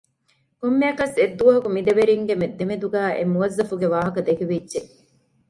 ކޮންމެއަކަސް އެއްދުވަހަކު މި ދެ ވެރިންގެ ދެމެދުގައި އެ މުވައްޒަފުގެ ވާހަކަ ދެކެވިއްޖެ